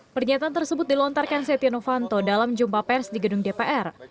pernyataan tersebut dilontarkan setia novanto dalam jumpa pers di gedung dpr